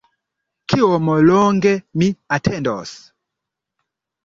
Kiom longe mi atendos?